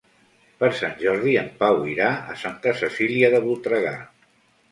Per Sant Jordi en Pau irà a Santa Cecília de Voltregà.